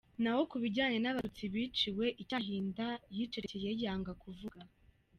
Naho ku bijyanye n’Abatutsi biciwe i Cyahinda yicecekeye yanga kuvuga.